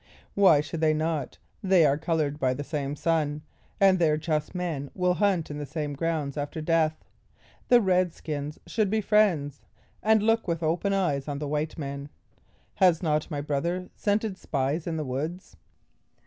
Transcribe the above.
"Why should they not? they are colored by the same sun, and their just men will hunt in the same grounds after death. The red skins should be friends, and look with open eyes on the white men. Has not my brother scented spies in the woods?"